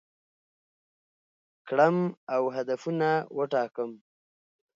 کړم او هدفونه وټاکم،